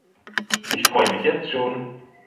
Ich freue mich jetzt schon!